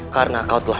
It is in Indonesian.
karena kau telah